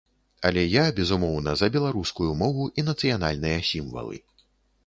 Але я, безумоўна, за беларускую мову і нацыянальныя сімвалы.